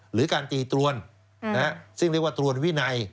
หรือการตีตรวนซึ่งเรียกว่าตรวนวินัย